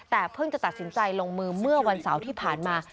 แต่เพิ่งจะตัดสินใจลงมือเมื่อวันเสาร์ที่ผ่านมา